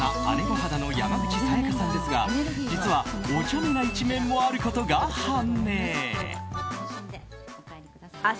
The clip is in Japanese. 御肌の山口紗弥加さんですが実はおちゃめな一面もあることが判明。